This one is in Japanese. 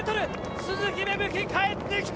鈴木芽吹が帰ってきた！